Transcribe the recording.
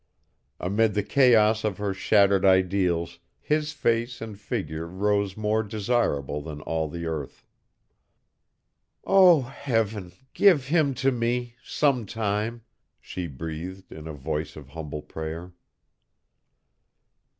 Amid the chaos of her shattered ideals his face and figure rose more desirable than all the earth. "Oh, Heaven, give him to me some time!" she breathed in a voice of humble prayer.